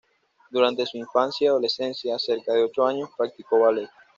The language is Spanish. Durante su infancia y adolescencia, cerca de ocho años, practicó ballet.